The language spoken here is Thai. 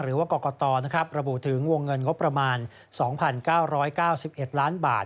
หรือว่ากรกตระบุถึงวงเงินงบประมาณ๒๙๙๑ล้านบาท